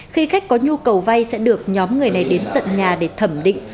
khi khách có nhu cầu vay sẽ được nhóm người này đến tận nhà để thẩm định